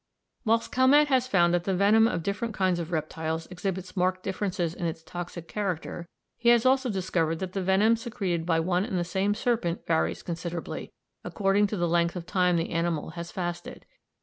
Whilst Calmette has found that the venom of different kinds of reptiles exhibits marked differences in its toxic character, he has also discovered that the venom secreted by one and the same serpent varies considerably, according to the length of time the animal has fasted.